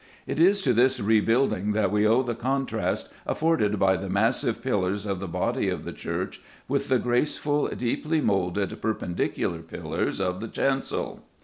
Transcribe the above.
It is to this rebuilding that we owe the contrast afforded by the massive pillars of the body of the church with the graceful, deeply moulded Perpendicular pillars of the chancel.